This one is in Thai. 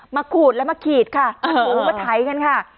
มาขูดแล้วมาขีดค่ะเออถูกประไทยกันค่ะ